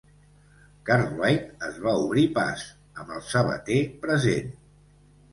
Cartwright es va obrir pas, amb el sabater present.